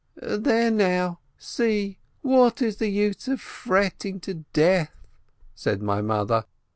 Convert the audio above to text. "There now, see, what is the use of fretting to death?" said my mother.